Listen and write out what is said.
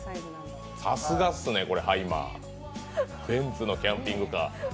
さすがっすね、ハイマー、ベンツのキャンピングカー。